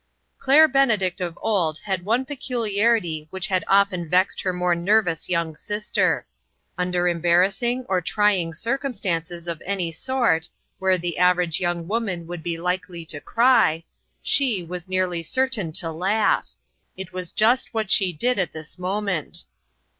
Claire Benedict of old had one peculiarity which had often vexed her more nervous young sister : under umbarrassing or trying circumstances of any sort, where the average young woman would be likely to cry, she was nearly certain to laugh. It was just what she did at this moment.